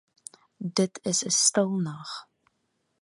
Dit is 'n stil nag.